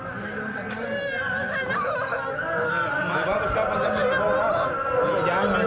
jumiatih tidak bisa berhenti